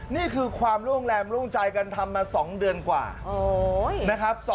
นี่คือความร่วมแรงร่วมใจกันทำมา๒เดือนกว่านะครับ